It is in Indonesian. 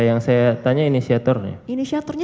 yang saya tanya inisiatornya inisiatornya